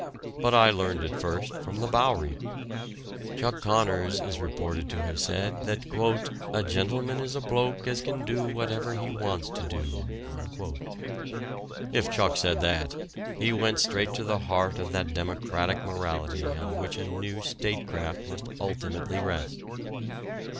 But I learned it first from the Bowery. Chuck Connors is reported to have said that "a gentleman is a bloke as can do whatever he wants to do." If Chuck said that, he went straight to the heart of that democratic morality on which a new statecraft must ultimately rest.